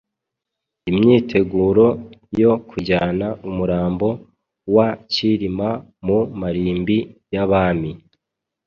imyiteguro yo kujyana umurambo wa Cyilima mu marimbi y'abami